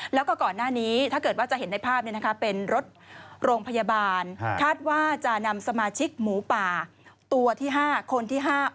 แล้วก็ก่อนหน้านี้ถ้าเกิดว่าจะเห็นในภาพเป็นรถโรงพยาบาลคาดว่าจะนำสมาชิกหมูป่าตัวที่๕คนที่๕